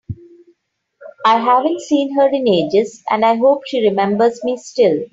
I haven’t seen her in ages, and I hope she remembers me still!